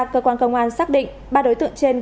cơ quan công an xác định ba đối tượng trên